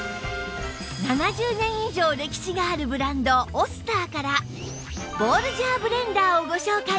７０年以上歴史があるブランドオスターからボールジャーブレンダーをご紹介